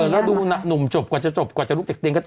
แล้วดูหนุ่มจบกว่าจะจบกว่าจะลุ่มเด็กก็๑๑โมงกว่า